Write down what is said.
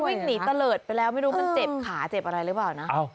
วิ่งหนีตะเลิศไปแล้วไม่รู้มันเจ็บขาเจ็บอะไรหรือเปล่านะ